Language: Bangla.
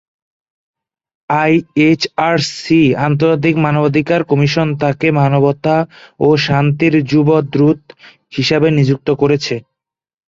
আইএইচআরসি-আন্তর্জাতিক মানবাধিকার কমিশন তাকে মানবতা ও শান্তির যুব দূত হিসাবে নিযুক্ত করেছে।